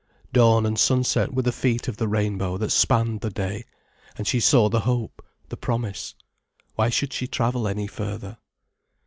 Dawn and sunset were the feet of the rainbow that spanned the day, and she saw the hope, the promise. Why should she travel any further?